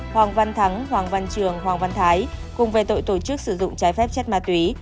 hoàng văn thắng hoàng văn trường hoàng văn thái cùng về tội tổ chức sử dụng trái phép chất ma túy